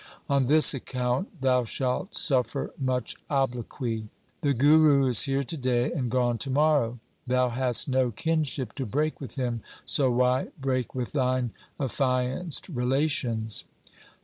On this account thou shalt suffer much obloquy. The Guru is here to day and gone to morrow. Thou hast no kinship to break with him, so why break with thine affianced rela tions